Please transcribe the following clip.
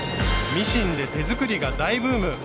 ミシンで手作りが大ブーム。